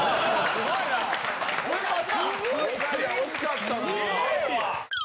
惜しかったなー。